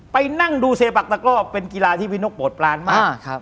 ไปนั่งดูเซปักตะกร่อเป็นกีฬาที่พี่นกโปรดปลานมาก